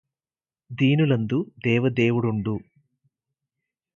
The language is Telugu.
దీనులందు దేవదేవుడుండు